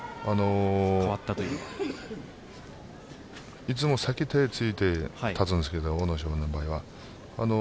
いつも先に手をついて立つんですけど、阿武咲の場合は。